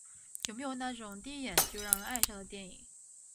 有没有那种第一眼就让人爱上的电影？